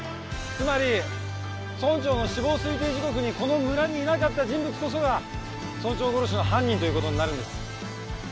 つまり村長の死亡推定時刻にこの村にいなかった人物こそが村長殺しの犯人という事になるんです。